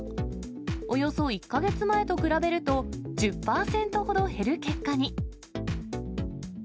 およそ１か月前と比べると１０％ほど減る結果に。